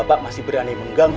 pak tata serventating friend